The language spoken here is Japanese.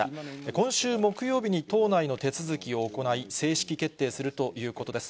今週木曜日に党内の手続きを行い、正式決定するということです。